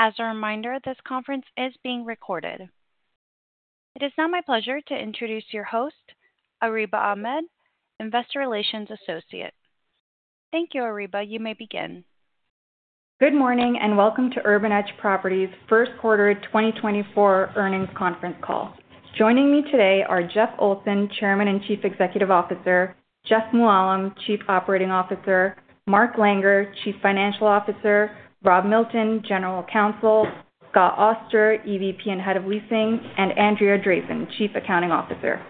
As a reminder, this conference is being recorded. It is now my pleasure to introduce your host, Areeba Ahmed, Investor Relations Associate. Thank you, Areeba. You may begin. Good morning, and welcome to Urban Edge Properties' first quarter 2024 earnings conference call. Joining me today are Jeff Olson, Chairman and Chief Executive Officer; Jeff Mooallem, Chief Operating Officer; Mark Langer, Chief Financial Officer; Rob Milton, General Counsel; Scott Auster, EVP and Head of Leasing; and Andrea Dreesen, Chief Accounting Officer.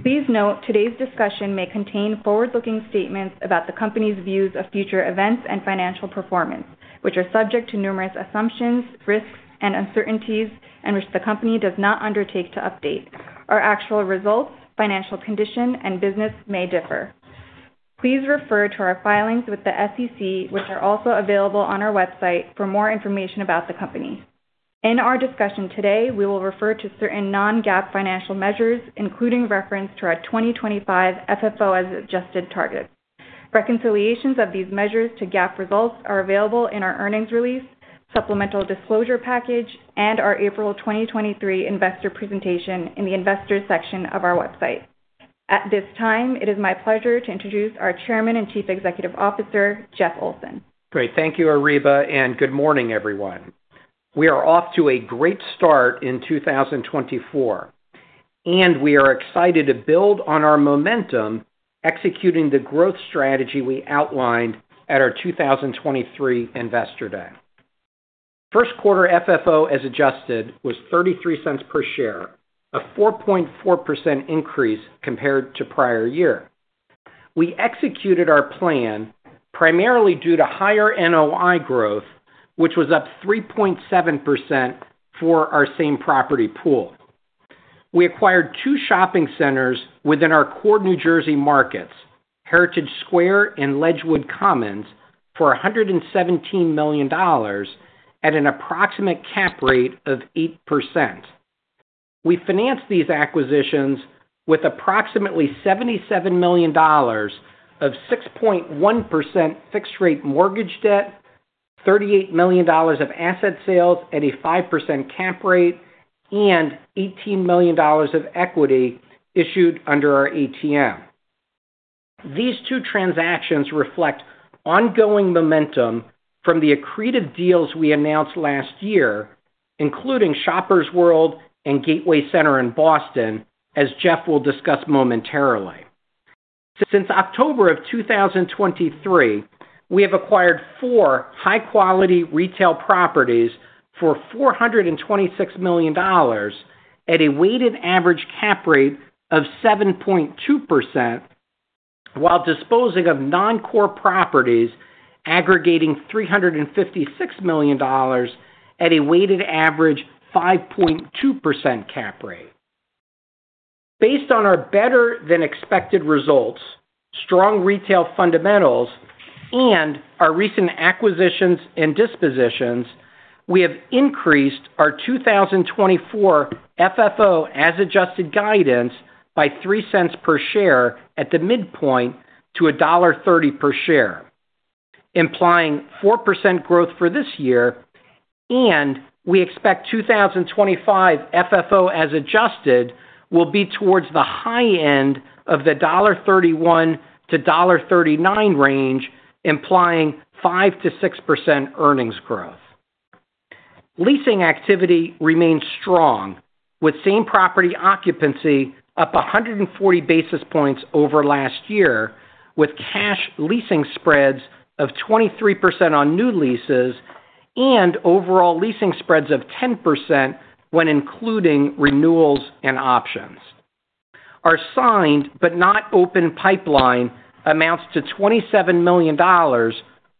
Please note, today's discussion may contain forward-looking statements about the company's views of future events and financial performance, which are subject to numerous assumptions, risks, and uncertainties, and which the company does not undertake to update. Our actual results, financial condition, and business may differ. Please refer to our filings with the SEC, which are also available on our website, for more information about the company. In our discussion today, we will refer to certain non-GAAP financial measures, including reference to our 2025 FFO as adjusted targets. Reconciliations of these measures to GAAP results are available in our earnings release, supplemental disclosure package, and our April 2023 investor presentation in the Investors section of our website. At this time, it is my pleasure to introduce our Chairman and Chief Executive Officer, Jeff Olson. Great. Thank you, Areeba, and good morning, everyone. We are off to a great start in 2024, and we are excited to build on our momentum, executing the growth strategy we outlined at our 2023 Investor Day. First quarter FFO, as adjusted, was $0.33 per share, a 4.4% increase compared to prior year. We executed our plan primarily due to higher NOI growth, which was up 3.7% for our same property pool. We acquired two shopping centers within our core New Jersey markets, Heritage Square and Ledgewood Commons, for $117 million at an approximate cap rate of 8%. We financed these acquisitions with approximately $77 million of 6.1% fixed-rate mortgage debt, $38 million of asset sales at a 5% cap rate, and $18 million of equity issued under our ATM. These two transactions reflect ongoing momentum from the accretive deals we announced last year, including Shoppers World and Gateway Center in Boston, as Jeff will discuss momentarily. Since October 2023, we have acquired four high-quality retail properties for $426 million at a weighted average cap rate of 7.2%, while disposing of non-core properties aggregating $356 million at a weighted average 5.2% cap rate. Based on our better-than-expected results, strong retail fundamentals, and our recent acquisitions and dispositions, we have increased our 2024 FFO as adjusted guidance by $0.03 per share at the midpoint to $1.30 per share, implying 4% growth for this year, and we expect 2025 FFO as adjusted will be towards the high end of the $1.31 - 1.39 range, implying 5%-6% earnings growth. Leasing activity remains strong, with same-property occupancy up 140 basis points over last year, with cash leasing spreads of 23% on new leases and overall leasing spreads of 10% when including renewals and options. Our signed, but not open pipeline, amounts to $27 million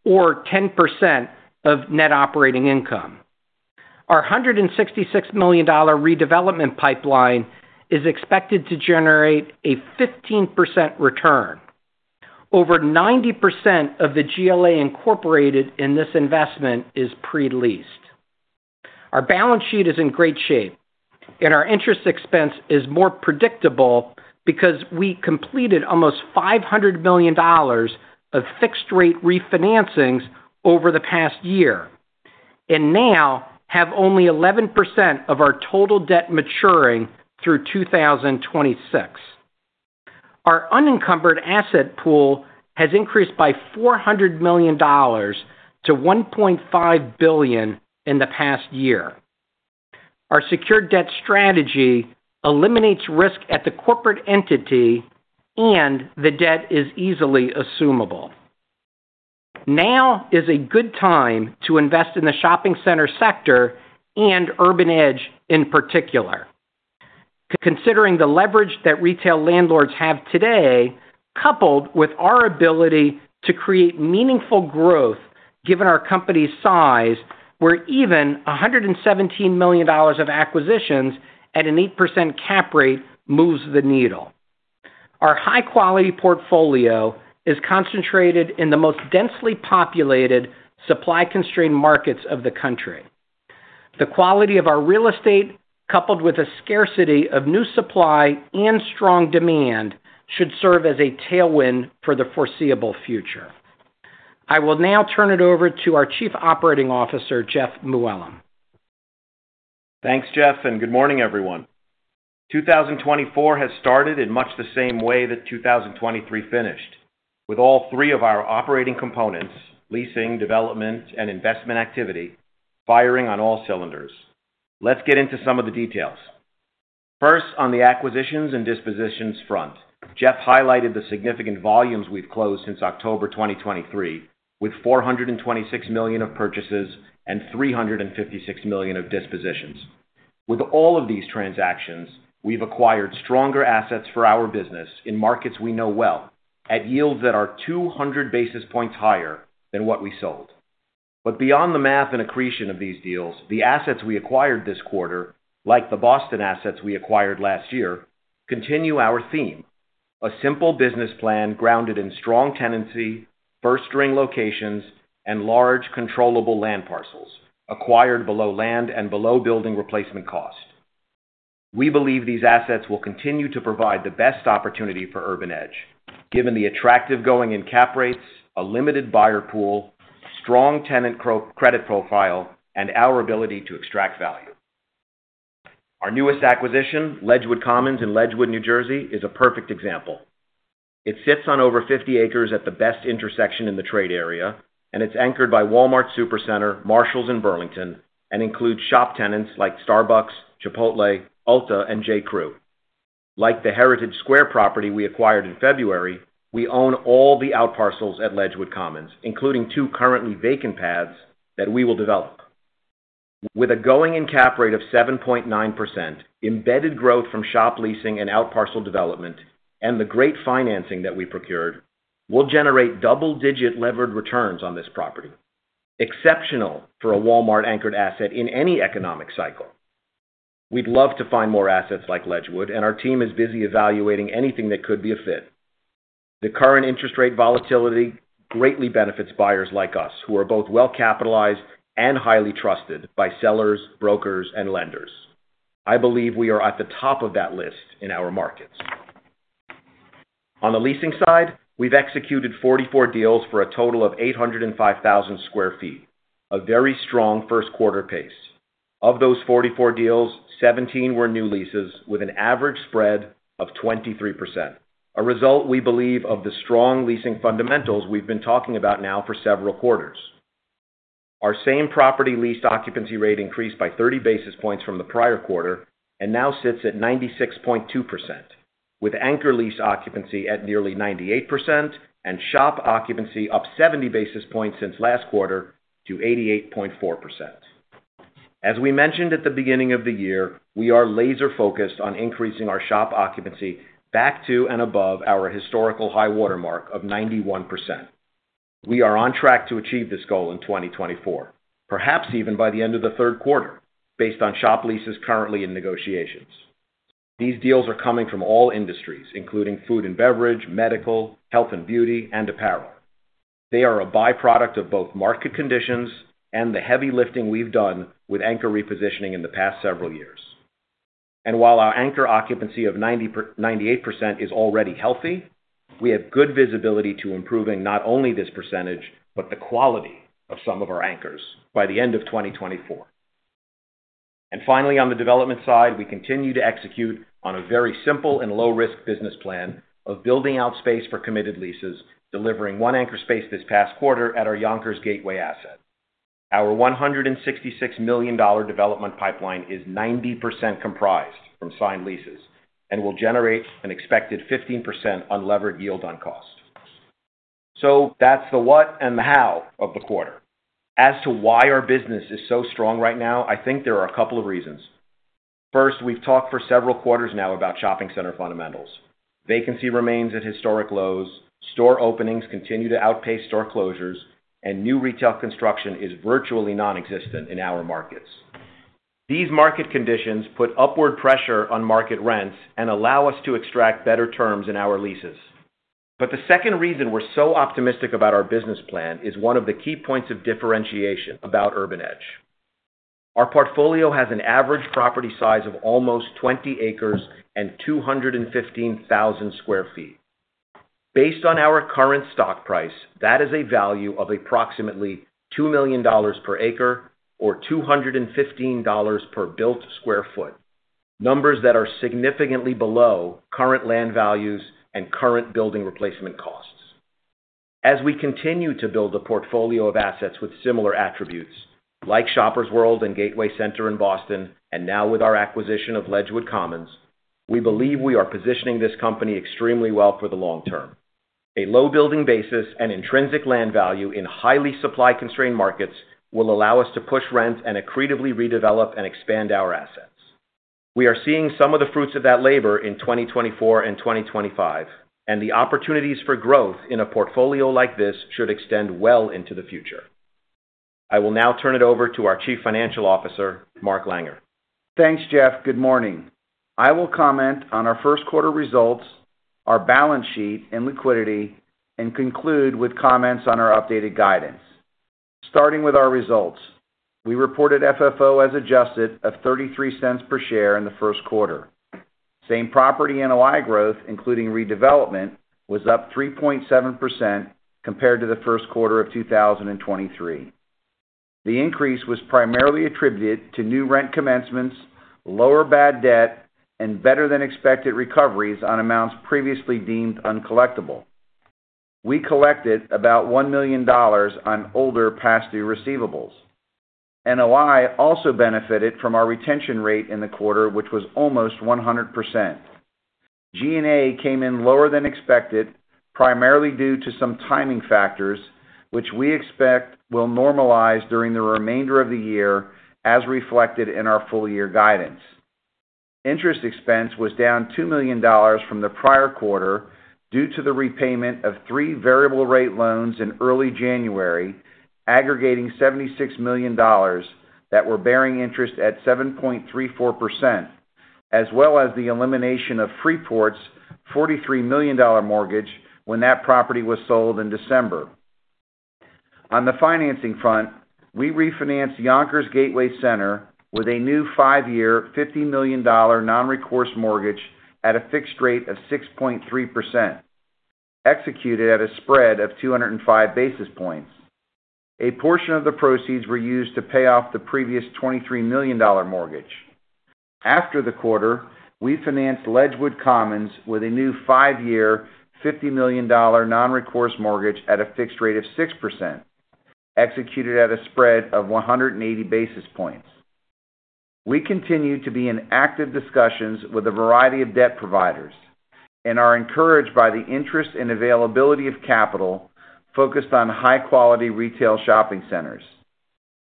or 10% of net operating income. Our $166 million redevelopment pipeline is expected to generate a 15% return. Over 90% of the GLA incorporated in this investment is pre-leased. Our balance sheet is in great shape, and our interest expense is more predictable because we completed almost $500 million of fixed-rate refinancings over the past year, and now have only 11% of our total debt maturing through 2026. Our unencumbered asset pool has increased by $400 million to $1.5 billion in the past year. Our secured debt strategy eliminates risk at the corporate entity, and the debt is easily assumable. Now is a good time to invest in the shopping center sector and Urban Edge in particular. Considering the leverage that retail landlords have today, coupled with our ability to create meaningful growth, given our company's size, where even $117 million of acquisitions at an 8% cap rate moves the needle. Our high-quality portfolio is concentrated in the most densely populated, supply-constrained markets of the country. The quality of our real estate, coupled with a scarcity of new supply and strong demand-... should serve as a tailwind for the foreseeable future. I will now turn it over to our Chief Operating Officer, Jeff Mooallem. Thanks, Jeff, and good morning, everyone. 2024 has started in much the same way that 2023 finished, with all three of our operating components, leasing, development, and investment activity, firing on all cylinders. Let's get into some of the details. First, on the acquisitions and dispositions front. Jeff highlighted the significant volumes we've closed since October 2023, with $426 million of purchases and $356 million of dispositions. With all of these transactions, we've acquired stronger assets for our business in markets we know well, at yields that are 200 basis points higher than what we sold. But beyond the math and accretion of these deals, the assets we acquired this quarter, like the Boston assets we acquired last year, continue our theme: a simple business plan grounded in strong tenancy, first-ring locations, and large, controllable land parcels, acquired below land and below building replacement cost. We believe these assets will continue to provide the best opportunity for Urban Edge, given the attractive going-in cap rates, a limited buyer pool, strong tenant credit profile, and our ability to extract value. Our newest acquisition, Ledgewood Commons in Ledgewood, New Jersey, is a perfect example. It sits on over 50 acres at the best intersection in the trade area, and it's anchored by Walmart Supercenter, Marshalls, and Burlington, and includes shop tenants like Starbucks, Chipotle, Ulta, and J.Crew. Like the Heritage Square property we acquired in February, we own all the outparcels at Ledgewood Commons, including two currently vacant pads that we will develop. With a going-in cap rate of 7.9%, embedded growth from shop leasing and outparcel development, and the great financing that we procured, we'll generate double-digit levered returns on this property, exceptional for a Walmart-anchored asset in any economic cycle. We'd love to find more assets like Ledgewood, and our team is busy evaluating anything that could be a fit. The current interest rate volatility greatly benefits buyers like us, who are both well-capitalized and highly trusted by sellers, brokers, and lenders. I believe we are at the top of that list in our markets. On the leasing side, we've executed 44 deals for a total of 805,000 sq ft, a very strong first quarter pace. Of those 44 deals, 17 were new leases with an average spread of 23%, a result we believe of the strong leasing fundamentals we've been talking about now for several quarters. Our same property leased occupancy rate increased by 30 basis points from the prior quarter and now sits at 96.2%, with anchor lease occupancy at nearly 98% and shop occupancy up 70 basis points since last quarter to 88.4%. As we mentioned at the beginning of the year, we are laser-focused on increasing our shop occupancy back to and above our historical high-water mark of 91%. We are on track to achieve this goal in 2024, perhaps even by the end of the third quarter, based on shop leases currently in negotiations. These deals are coming from all industries, including food and beverage, medical, health and beauty, and apparel. They are a by-product of both market conditions and the heavy lifting we've done with anchor repositioning in the past several years. And while our anchor occupancy of 98% is already healthy, we have good visibility to improving not only this percentage, but the quality of some of our anchors by the end of 2024. And finally, on the development side, we continue to execute on a very simple and low-risk business plan of building out space for committed leases, delivering one anchor space this past quarter at our Yonkers Gateway asset. Our $166 million development pipeline is 90% comprised from signed leases and will generate an expected 15% unlevered yield on cost. So that's the what and the how of the quarter. As to why our business is so strong right now, I think there are a couple of reasons. First, we've talked for several quarters now about shopping center fundamentals. Vacancy remains at historic lows, store openings continue to outpace store closures, and new retail construction is virtually nonexistent in our markets. These market conditions put upward pressure on market rents and allow us to extract better terms in our leases. But the second reason we're so optimistic about our business plan is one of the key points of differentiation about Urban Edge. Our portfolio has an average property size of almost 20 acres and 215,000 sq ft. Based on our current stock price, that is a value of approximately $2 million per acre or $215 per built sq ft, numbers that are significantly below current land values and current building replacement costs. As we continue to build a portfolio of assets with similar attributes, like Shoppers World and Gateway Center in Boston, and now with our acquisition of Ledgewood Commons, we believe we are positioning this company extremely well for the long term. A low building basis and intrinsic land value in highly supply-constrained markets will allow us to push rents and accretively redevelop and expand our assets. We are seeing some of the fruits of that labor in 2024 and 2025, and the opportunities for growth in a portfolio like this should extend well into the future. I will now turn it over to our Chief Financial Officer, Mark Langer. Thanks, Jeff. Good morning. I will comment on our first quarter results, our balance sheet, and liquidity, and conclude with comments on our updated guidance.... Starting with our results. We reported FFO as adjusted of $0.33 per share in the first quarter. Same-property NOI growth, including redevelopment, was up 3.7% compared to the first quarter of 2023. The increase was primarily attributed to new rent commencements, lower bad debt, and better-than-expected recoveries on amounts previously deemed uncollectible. We collected about $1 million on older past due receivables. NOI also benefited from our retention rate in the quarter, which was almost 100%. G&A came in lower than expected, primarily due to some timing factors, which we expect will normalize during the remainder of the year, as reflected in our full year guidance. Interest expense was down $2 million from the prior quarter due to the repayment of three variable rate loans in early January, aggregating $76 million that were bearing interest at 7.34%, as well as the elimination of Freeport's $43 million mortgage when that property was sold in December. On the financing front, we refinanced Yonkers Gateway Center with a new 5-year, $50 million non-recourse mortgage at a fixed rate of 6.3%, executed at a spread of 205 basis points. A portion of the proceeds were used to pay off the previous $23 million mortgage. After the quarter, we financed Ledgewood Commons with a new 5-year, $50 million non-recourse mortgage at a fixed rate of 6%, executed at a spread of 180 basis points. We continue to be in active discussions with a variety of debt providers and are encouraged by the interest and availability of capital focused on high-quality retail shopping centers.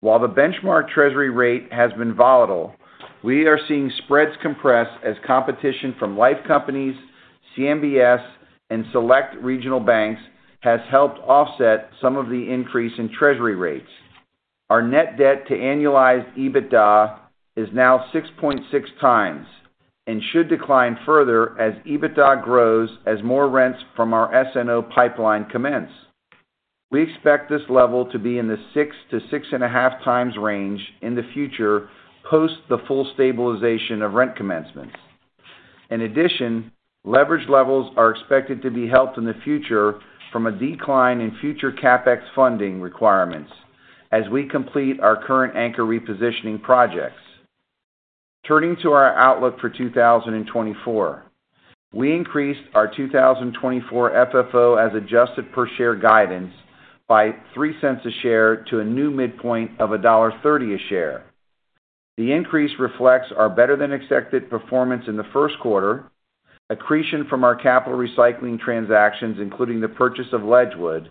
While the benchmark treasury rate has been volatile, we are seeing spreads compress as competition from life companies, CMBS, and select regional banks has helped offset some of the increase in treasury rates. Our net debt to annualized EBITDA is now 6.6 times and should decline further as EBITDA grows, as more rents from our SNO pipeline commence. We expect this level to be in the 6-6.5 times range in the future, post the full stabilization of rent commencements. In addition, leverage levels are expected to be helped in the future from a decline in future CapEx funding requirements as we complete our current anchor repositioning projects. Turning to our outlook for 2024. We increased our 2024 FFO as adjusted per share guidance by $0.03 per share to a new midpoint of $1.30 per share. The increase reflects our better-than-expected performance in the first quarter, accretion from our capital recycling transactions, including the purchase of Ledgewood,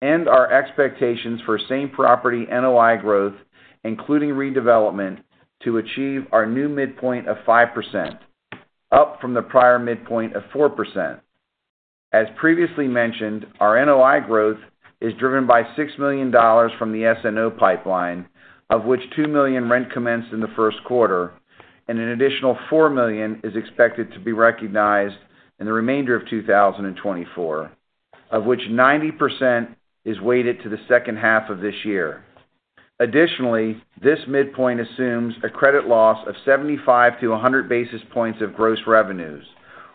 and our expectations for same-property NOI growth, including redevelopment, to achieve our new midpoint of 5%, up from the prior midpoint of 4%. As previously mentioned, our NOI growth is driven by $6 million from the SNO pipeline, of which $2 million rent commenced in the first quarter, and an additional $4 million is expected to be recognized in the remainder of 2024, of which 90% is weighted to the second half of this year. Additionally, this midpoint assumes a credit loss of 75-100 basis points of gross revenues,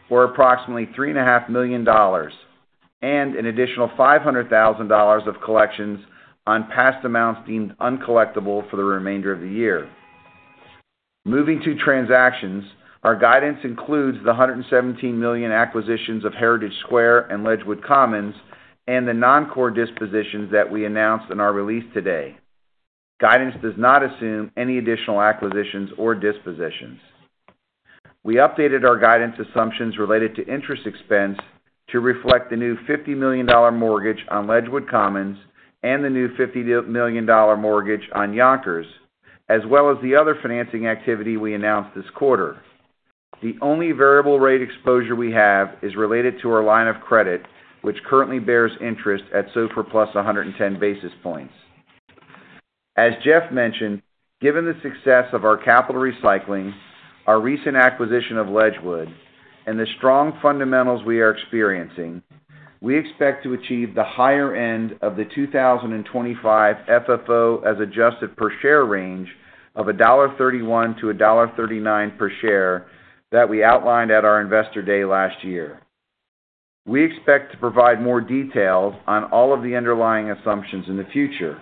or approximately $3.5 million, and an additional $500,000 of collections on past amounts deemed uncollectible for the remainder of the year. Moving to transactions. Our guidance includes the $117 million acquisitions of Heritage Square and Ledgewood Commons, and the non-core dispositions that we announced in our release today. Guidance does not assume any additional acquisitions or dispositions. We updated our guidance assumptions related to interest expense to reflect the new $50 million mortgage on Ledgewood Commons and the new $50 million mortgage on Yonkers, as well as the other financing activity we announced this quarter. The only variable rate exposure we have is related to our line of credit, which currently bears interest at SOFR plus 110 basis points. As Jeff mentioned, given the success of our capital recycling, our recent acquisition of Ledgewood, and the strong fundamentals we are experiencing, we expect to achieve the higher end of the 2025 FFO as adjusted per share range of $1.31-1.39 per share that we outlined at our Investor Day last year. We expect to provide more details on all of the underlying assumptions in the future,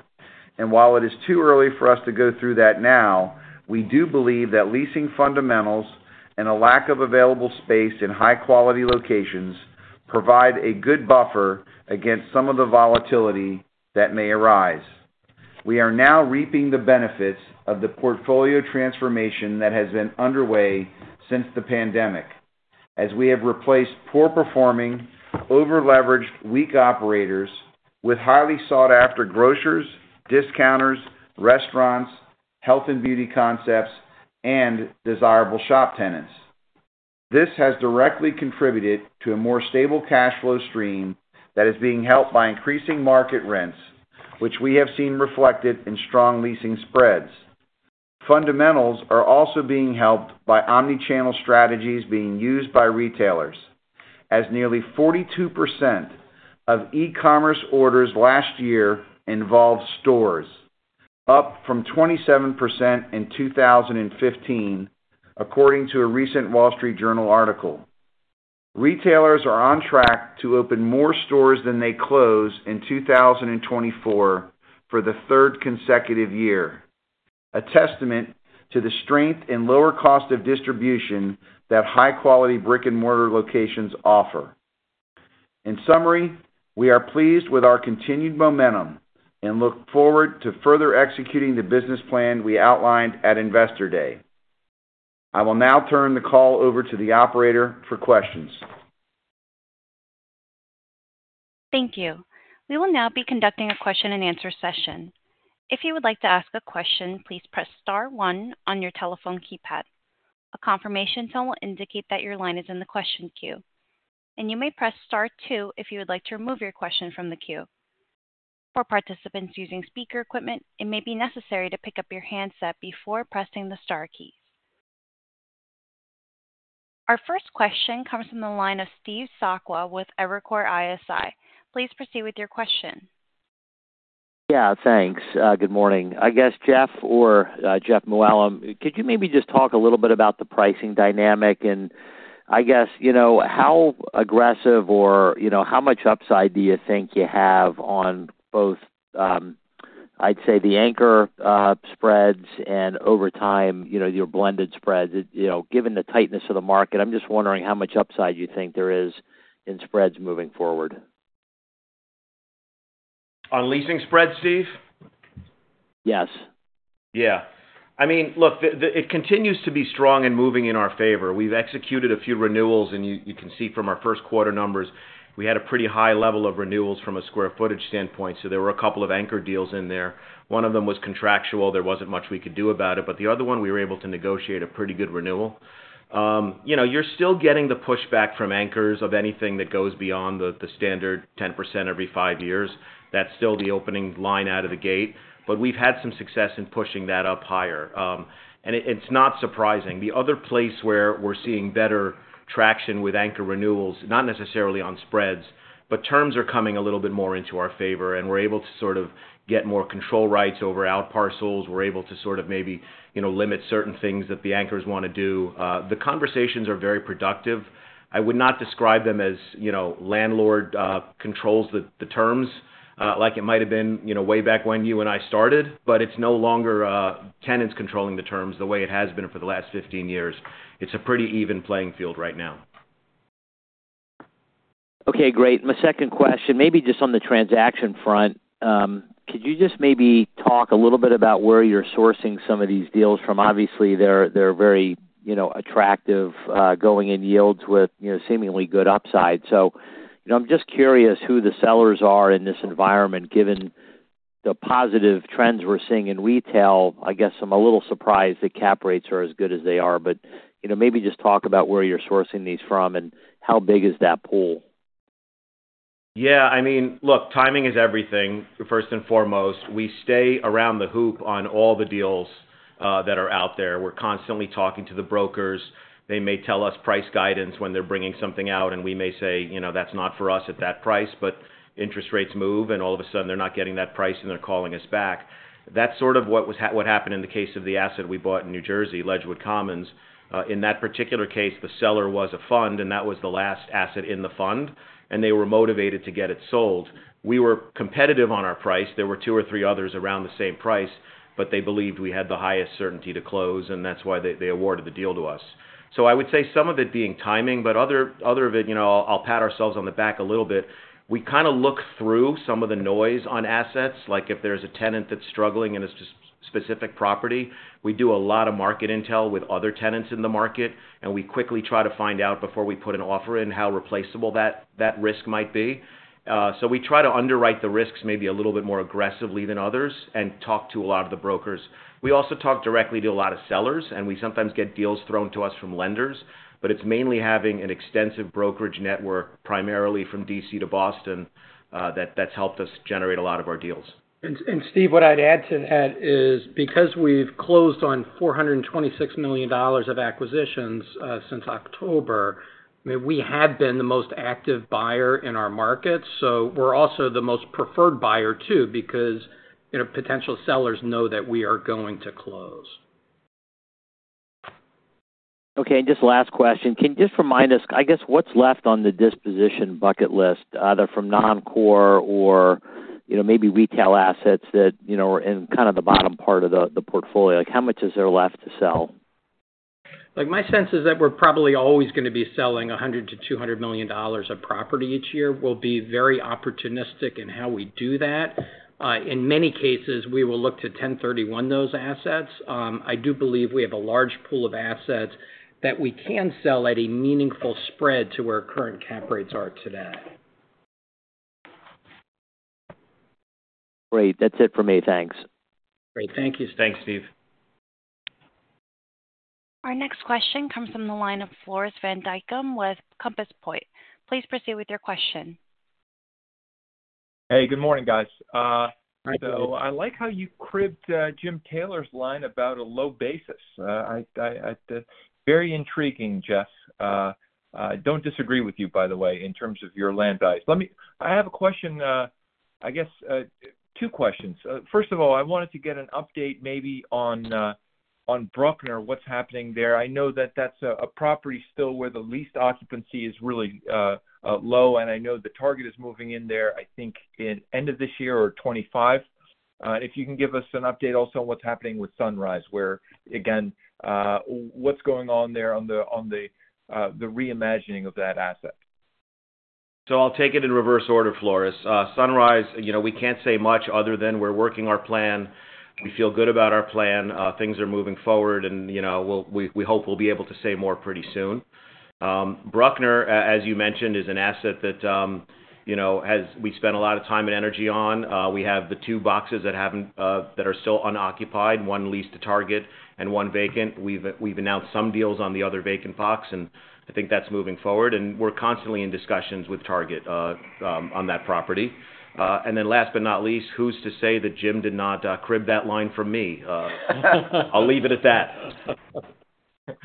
and while it is too early for us to go through that now, we do believe that leasing fundamentals and a lack of available space in high-quality locations provide a good buffer against some of the volatility that may arise. We are now reaping the benefits of the portfolio transformation that has been underway since the pandemic, as we have replaced poor-performing, over-leveraged, weak operators with highly sought-after grocers, discounters, restaurants, health and beauty concepts, and desirable shop tenants. This has directly contributed to a more stable cash flow stream that is being helped by increasing market rents, which we have seen reflected in strong leasing spreads.... fundamentals are also being helped by omni-channel strategies being used by retailers, as nearly 42% of e-commerce orders last year involved stores, up from 27% in 2015, according to a recent The Wall Street Journal article. Retailers are on track to open more stores than they close in 2024 for the third consecutive year, a testament to the strength and lower cost of distribution that high-quality brick-and-mortar locations offer. In summary, we are pleased with our continued momentum and look forward to further executing the business plan we outlined at Investor Day. I will now turn the call over to the operator for questions. Thank you. We will now be conducting a question-and-answer session. If you would like to ask a question, please press star one on your telephone keypad. A confirmation tone will indicate that your line is in the question queue, and you may press star two if you would like to remove your question from the queue. For participants using speaker equipment, it may be necessary to pick up your handset before pressing the star key. Our first question comes from the line of Steve Sakwa with Evercore ISI. Please proceed with your question. Yeah, thanks. Good morning. I guess, Jeff or Jeff Mooallem, could you maybe just talk a little bit about the pricing dynamic? And I guess, you know, how aggressive or, you know, how much upside do you think you have on both, I'd say, the anchor spreads, and over time, you know, your blended spreads? You know, given the tightness of the market, I'm just wondering how much upside you think there is in spreads moving forward. On leasing spreads, Steve? Yes. Yeah. I mean, look, it continues to be strong and moving in our favor. We've executed a few renewals, and you can see from our first quarter numbers, we had a pretty high level of renewals from a square footage standpoint, so there were a couple of anchor deals in there. One of them was contractual, there wasn't much we could do about it, but the other one, we were able to negotiate a pretty good renewal. You know, you're still getting the pushback from anchors of anything that goes beyond the standard 10% every five years. That's still the opening line out of the gate, but we've had some success in pushing that up higher. And it's not surprising. The other place where we're seeing better traction with anchor renewals, not necessarily on spreads, but terms are coming a little bit more into our favor, and we're able to sort of get more control rights over outparcels. We're able to sort of maybe, you know, limit certain things that the anchors wanna do. The conversations are very productive. I would not describe them as, you know, landlord controls the terms, like it might have been, you know, way back when you and I started, but it's no longer tenants controlling the terms the way it has been for the last 15 years. It's a pretty even playing field right now. Okay, great. My second question, maybe just on the transaction front. Could you just maybe talk a little bit about where you're sourcing some of these deals from? Obviously, they're, they're very, you know, attractive going-in yields with, you know, seemingly good upside. So I'm just curious who the sellers are in this environment. Given the positive trends we're seeing in retail, I guess I'm a little surprised the cap rates are as good as they are. But, you know, maybe just talk about where you're sourcing these from, and how big is that pool? Yeah, I mean, look, timing is everything, first and foremost. We stay around the hoop on all the deals that are out there. We're constantly talking to the brokers. They may tell us price guidance when they're bringing something out, and we may say, "You know, that's not for us at that price." But interest rates move, and all of a sudden, they're not getting that price, and they're calling us back. That's sort of what happened in the case of the asset we bought in New Jersey, Ledgewood Commons. In that particular case, the seller was a fund, and that was the last asset in the fund, and they were motivated to get it sold. We were competitive on our price. There were two or three others around the same price, but they believed we had the highest certainty to close, and that's why they awarded the deal to us. So I would say some of it being timing, but other of it, you know, I'll pat ourselves on the back a little bit. We kind of look through some of the noise on assets, like if there's a tenant that's struggling in a specific property, we do a lot of market intel with other tenants in the market, and we quickly try to find out, before we put an offer in, how replaceable that risk might be. So we try to underwrite the risks maybe a little bit more aggressively than others and talk to a lot of the brokers. We also talk directly to a lot of sellers, and we sometimes get deals thrown to us from lenders. But it's mainly having an extensive brokerage network, primarily from D.C. to Boston, that's helped us generate a lot of our deals. And Steve, what I'd add to that is, because we've closed on $426 million of acquisitions since October, we have been the most active buyer in our market, so we're also the most preferred buyer, too, because, you know, potential sellers know that we are going to close. Okay, and just last question. Can you just remind us, I guess, what's left on the disposition bucket list, either from non-core or, you know, maybe retail assets that, you know, are in kind of the bottom part of the, the portfolio? Like, how much is there left to sell? Like, my sense is that we're probably always gonna be selling $100 million-200 million of property each year. We'll be very opportunistic in how we do that. In many cases, we will look to 1031 those assets. I do believe we have a large pool of assets that we can sell at a meaningful spread to where current cap rates are today. Great. That's it for me. Thanks. Great. Thank you. Thanks, Steve. Our next question comes from the line of Floris van Dijkum with Compass Point. Please proceed with your question. Hey, good morning, guys. Hi. So I like how you cribbed, Jim Taylor's line about a low basis. Very intriguing, Jeff. I don't disagree with you, by the way, in terms of your land basis. Let me. I have a question, I guess, two questions. First of all, I wanted to get an update maybe on, on Bruckner, what's happening there. I know that that's a property still where the lease occupancy is really low, and I know the Target is moving in there, I think in end of this year or 2025. If you can give us an update also on what's happening with Sunrise, where, again, what's going on there on the, on the, the reimagining of that asset? So I'll take it in reverse order, Floris. Sunrise, you know, we can't say much other than we're working our plan. We feel good about our plan, things are moving forward, and, you know, we'll hope we'll be able to say more pretty soon. Bruckner, as you mentioned, is an asset that, you know, we spent a lot of time and energy on. We have the two boxes that are still unoccupied, one leased to Target and one vacant. We've announced some deals on the other vacant box, and I think that's moving forward, and we're constantly in discussions with Target on that property. And then last but not least, who's to say that Jim did not crib that line from me? I'll leave it at that.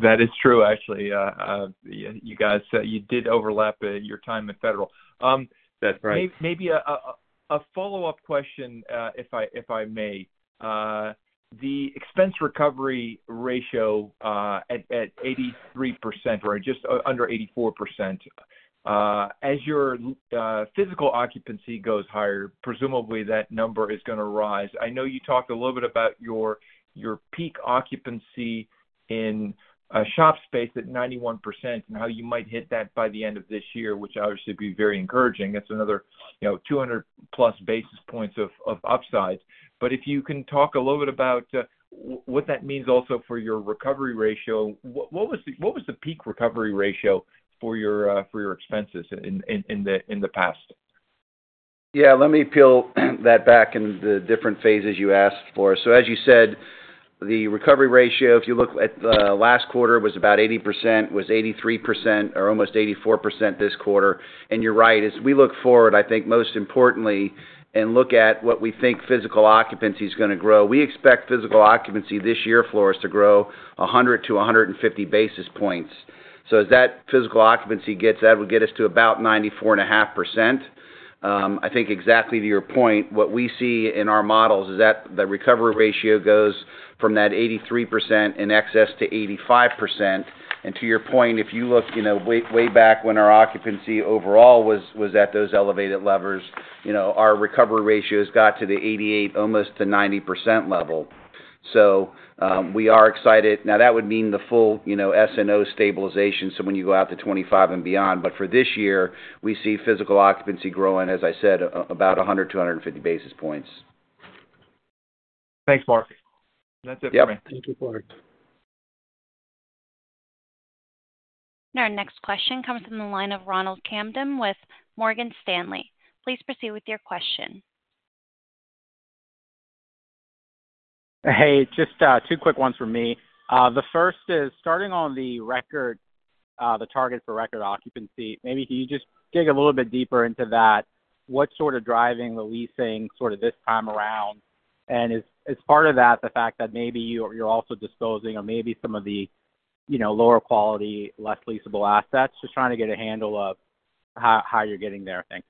That is true, actually. You guys, you did overlap your time at Federal. That's right. Maybe a follow-up question, if I may. The expense recovery ratio at 83% or just under 84%, as your physical occupancy goes higher, presumably that number is gonna rise. I know you talked a little bit about your peak occupancy in shop space at 91%, and how you might hit that by the end of this year, which obviously would be very encouraging. That's another, you know, 200 plus basis points of upside. But if you can talk a little bit about what that means also for your recovery ratio. What was the peak recovery ratio for your expenses in the past? Yeah, let me peel that back into the different phases you asked for. So as you said, the recovery ratio, if you look at the last quarter, was about 80%, was 83%, or almost 84% this quarter. And you're right, as we look forward, I think most importantly, and look at what we think physical occupancy is gonna grow, we expect physical occupancy this year, Floris, to grow 100-150 basis points. So as that physical occupancy gets, that would get us to about 94.5%. I think exactly to your point, what we see in our models is that the recovery ratio goes from that 83% in excess to 85%. To your point, if you look, you know, way, way back when our occupancy overall was at those elevated levels, you know, our recovery ratios got to the 88, almost to 90% level. So, we are excited. Now, that would mean the full, you know, SNO stabilization, so when you go out to 2025 and beyond. But for this year, we see physical occupancy growing, as I said, about 100-150 basis points. Thanks, Mark. That's it for me. Yep. Thank you, Mark. Our next question comes from the line of Ronald Kamdem with Morgan Stanley. Please proceed with your question. Hey, just, two quick ones from me. The first is starting on the record, the target for record occupancy. Maybe can you just dig a little bit deeper into that? What's sort of driving the leasing sort of this time around? And is, is part of that the fact that maybe you're, you're also disclosing or maybe some of the, you know, lower quality, less leasable assets? Just trying to get a handle of how, how you're getting there, thanks.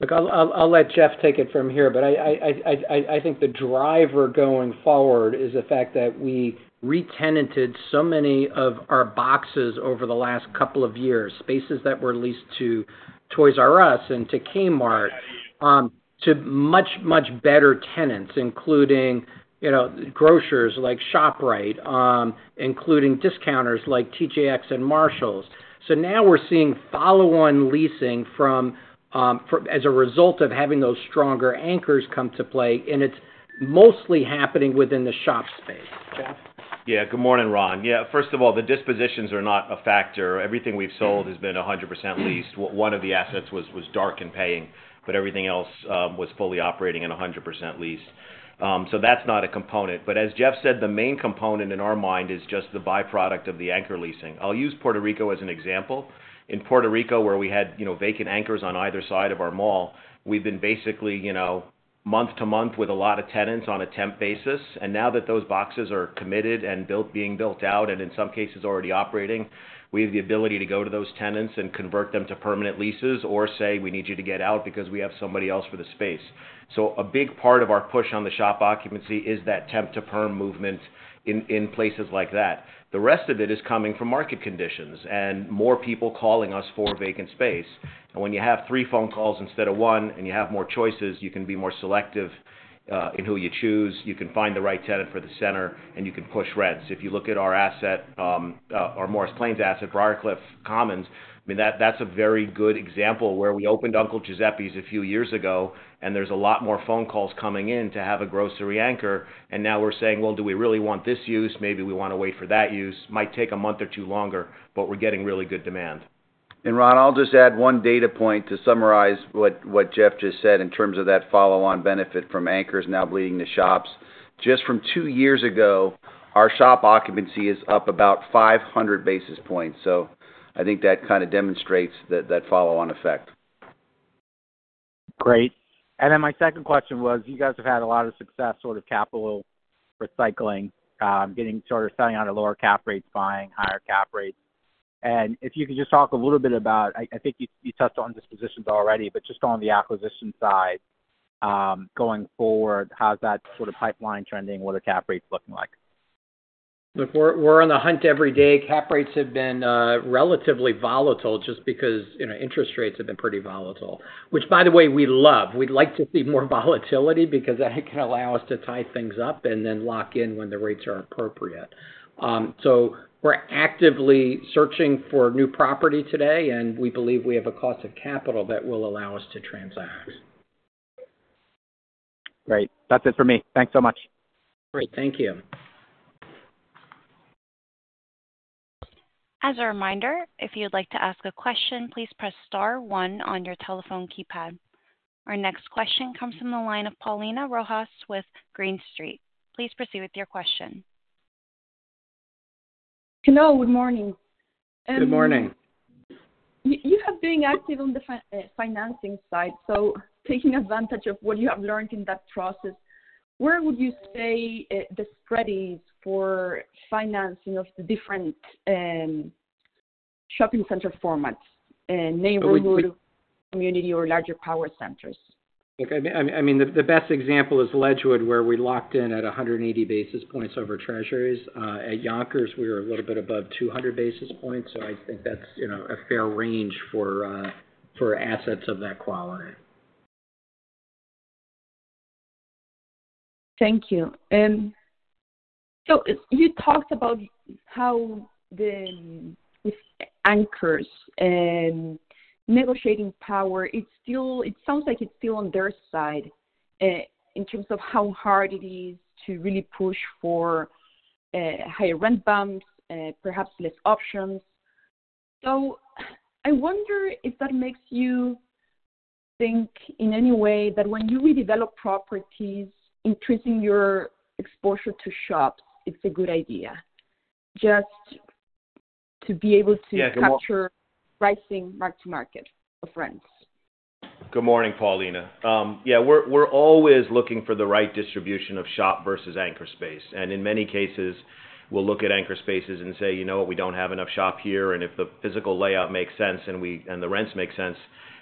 Look, I'll let Jeff take it from here, but I think the driver going forward is the fact that we re-tenanted so many of our boxes over the last couple of years, spaces that were leased to Toys "R" Us and to Kmart, to much, much better tenants, including, you know, grocers like ShopRite, including discounters like TJX and Marshalls. So now we're seeing follow-on leasing from as a result of having those stronger anchors come to play, and it's mostly happening within the shop space. Jeff? Yeah. Good morning, Ron. Yeah, first of all, the dispositions are not a factor. Everything we've sold has been 100% leased. One of the assets was, was dark and paying, but everything else was fully operating and 100% leased. So that's not a component. But as Jeff said, the main component in our mind is just the byproduct of the anchor leasing. I'll use Puerto Rico as an example. In Puerto Rico, where we had, you know, vacant anchors on either side of our mall, we've been basically, you know, month to month with a lot of tenants on a temp basis. Now that those boxes are committed and built, being built out, and in some cases, already operating, we have the ability to go to those tenants and convert them to permanent leases or say, "We need you to get out because we have somebody else for the space." So a big part of our push on the shop occupancy is that temp to perm movement in places like that. The rest of it is coming from market conditions and more people calling us for vacant space. And when you have three phone calls instead of one and you have more choices, you can be more selective in who you choose, you can find the right tenant for the center, and you can push rents. If you look at our asset, our Morris Plains asset, Briarcliff Commons, I mean, that's a very good example where we opened Uncle Giuseppe's a few years ago, and there's a lot more phone calls coming in to have a grocery anchor. And now we're saying: Well, do we really want this use? Maybe we wanna wait for that use. Might take a month or two longer, but we're getting really good demand. And Ron, I'll just add one data point to summarize what Jeff just said in terms of that follow-on benefit from anchors now bleeding to shops.... just from two years ago, our shop occupancy is up about 500 basis points. So I think that kind of demonstrates that, that follow-on effect. Great. And then my second question was, you guys have had a lot of success, sort of, capital recycling, getting sort of selling out at lower cap rates, buying higher cap rates. And if you could just talk a little bit about, I, I think you, you touched on dispositions already, but just on the acquisition side, going forward, how's that sort of pipeline trending? What are cap rates looking like? Look, we're, we're on the hunt every day. Cap rates have been relatively volatile just because, you know, interest rates have been pretty volatile. Which, by the way, we love. We'd like to see more volatility because that can allow us to tie things up and then lock in when the rates are appropriate. So we're actively searching for new property today, and we believe we have a cost of capital that will allow us to transact. Great. That's it for me. Thanks so much. Great. Thank you. As a reminder, if you'd like to ask a question, please press star one on your telephone keypad. Our next question comes from the line of Paulina Rojas with Green Street. Please proceed with your question. Hello, good morning. Good morning. You have been active on the financing side, so taking advantage of what you have learned in that process, where would you say the spread is for financing of the different shopping center formats and neighborhood, community, or larger power centers? Look, I mean, the best example is Ledgewood, where we locked in at 180 basis points over Treasuries. At Yonkers, we were a little bit above 200 basis points, so I think that's, you know, a fair range for for assets of that quality. Thank you. And so you talked about how the, with anchors and negotiating power, it's still... It sounds like it's still on their side, in terms of how hard it is to really push for higher rent bumps, perhaps less options. So I wonder if that makes you think in any way that when you redevelop properties, increasing your exposure to shops, it's a good idea, just to be able to- Yeah. Good mor- capture pricing mark-to-market for rents. Good morning, Paulina. Yeah, we're always looking for the right distribution of shop versus anchor space, and in many cases, we'll look at anchor spaces and say, "You know, we don't have enough shop here," and if the physical layout makes sense and the rents make sense,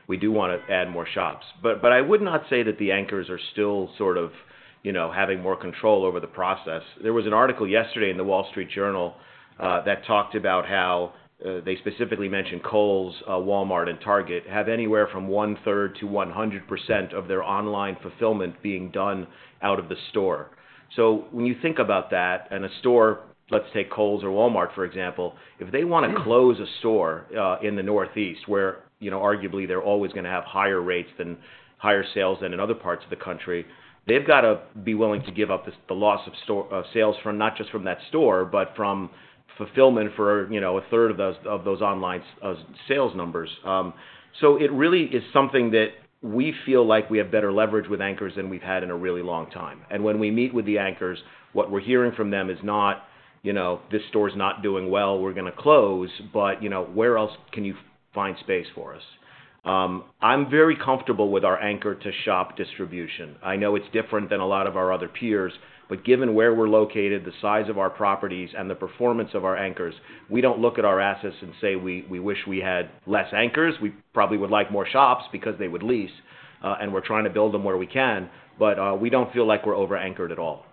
we do wanna add more shops. But I would not say that the anchors are still sort of, you know, having more control over the process. There was an article yesterday in The Wall Street Journal that talked about how they specifically mentioned Kohl's, Walmart and Target, have anywhere from 1/3 to 100% of their online fulfillment being done out of the store. So when you think about that, and a store, let's take Kohl's or Walmart, for example, if they wanna close a store in the Northeast, where, you know, arguably they're always gonna have higher rates than higher sales than in other parts of the country, they've got to be willing to give up this, the loss of store sales from not just from that store, but from fulfillment for, you know, a third of those, of those online sales numbers. So it really is something that we feel like we have better leverage with anchors than we've had in a really long time. When we meet with the anchors, what we're hearing from them is not, you know, "This store is not doing well, we're gonna close," but, you know, "Where else can you find space for us?" I'm very comfortable with our anchor-to-shop distribution. I know it's different than a lot of our other peers, but given where we're located, the size of our properties, and the performance of our anchors, we don't look at our assets and say, we wish we had less anchors. We probably would like more shops because they would lease, and we're trying to build them where we can, but we don't feel like we're over anchored at all.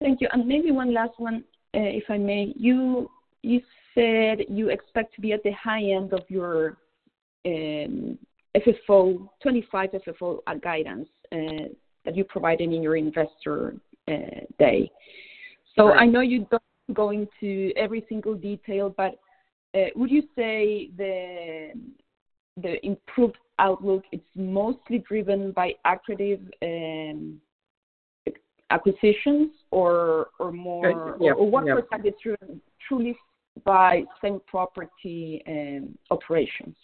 Thank you. Maybe one last one, if I may. You said you expect to be at the high end of your 2025 FFO guidance that you provided in your Investor Day. Right. So I know you don't go into every single detail, but would you say the improved outlook, it's mostly driven by accretive acquisitions or more- Yeah, yeah. Or what percentage is truly by same property and operations?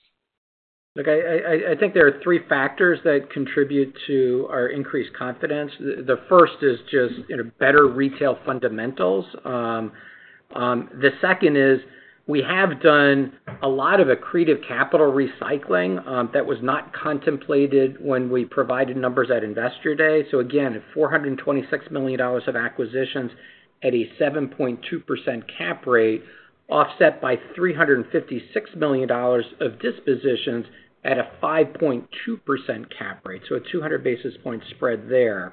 Look, I think there are three factors that contribute to our increased confidence. The first is just, you know, better retail fundamentals. The second is, we have done a lot of accretive capital recycling, that was not contemplated when we provided numbers at Investor Day. So again, $426 million of acquisitions at a 7.2% cap rate, offset by $356 million of dispositions at a 5.2% cap rate, so a 200 basis point spread there.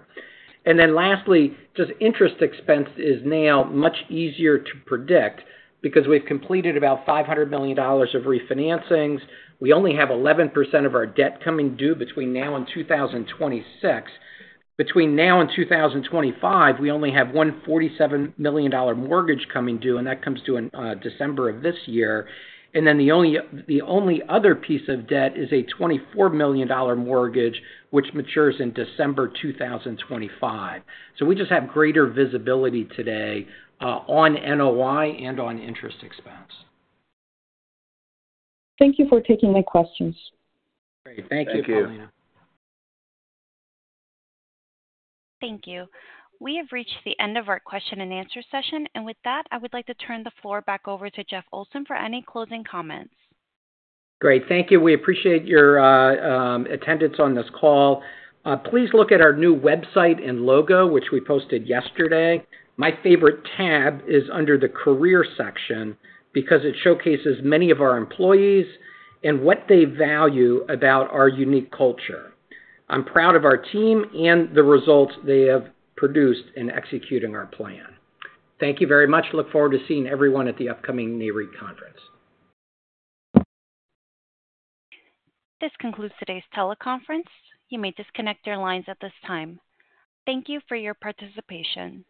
And then lastly, just interest expense is now much easier to predict because we've completed about $500 million of refinancings. We only have 11% of our debt coming due between now and 2026. Between now and 2025, we only have one $147 million mortgage coming due, and that comes due in December of this year. And then the only, the only other piece of debt is a $24 million mortgage, which matures in December 2025. So we just have greater visibility today, on NOI and on interest expense. Thank you for taking my questions. Great. Thank you, Paulina. Thank you. We have reached the end of our question and answer session, and with that, I would like to turn the floor back over to Jeff Olson for any closing comments. Great. Thank you. We appreciate your attendance on this call. Please look at our new website and logo, which we posted yesterday. My favorite tab is under the career section, because it showcases many of our employees and what they value about our unique culture. I'm proud of our team and the results they have produced in executing our plan. Thank you very much. Look forward to seeing everyone at the upcoming NAREIT conference. This concludes today's teleconference. You may disconnect your lines at this time. Thank you for your participation.